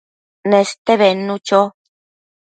Neste bednu cho